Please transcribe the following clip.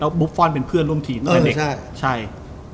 แล้วบู๊บฟอนเป็นเพื่อนร่วมทีมันก็กลับให้เด็ก